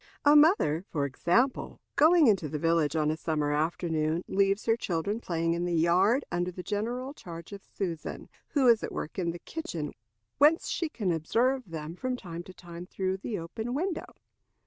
A mother, for example, going into the village on a summer afternoon, leaves her children playing in the yard, under the general charge of Susan, who is at work in the kitchen, whence she can observe them from time to time through the open window.